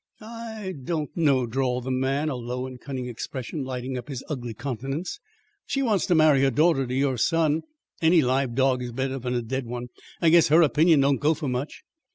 "I don't know," drawled the man, a low and cunning expression lighting up his ugly countenance. "She wants to marry her daughter to your son. Any live dog is better than a dead one; I guess her opinion don't go for much."